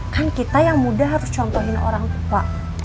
kan kita yang muda harus contohin orang tua